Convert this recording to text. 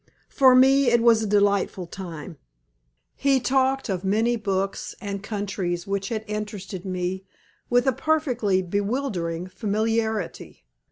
For me it was a delightful time. He talked of many books and countries which had interested me with a perfectly bewildering familiarity.